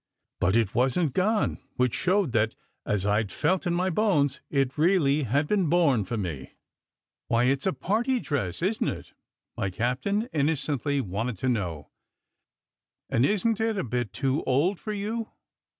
But it wasn t gone; which showed that, as I d felt in my bones, it really had been born for me. "Why, it s a party dress, isn t it?" my captain inno SECRET HISTORY 27 cently wanted to know. "And isn t it a bit too old for you?"